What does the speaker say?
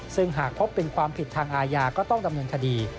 ซึ่งหากพบเป็นความผิดทางอาญาก็ต้องดำเนินคดี